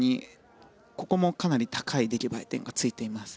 ここもかなり高い出来栄え点がついています。